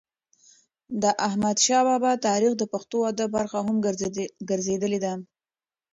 د احمدشا بابا تاریخ د پښتو ادب برخه هم ګرځېدلې ده.